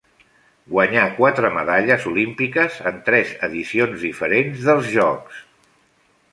Guanyà quatre medalles olímpiques en tres edicions diferents dels Jocs.